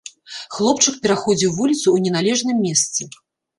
Хлопчык пераходзіў вуліцу ў неналежным месцы.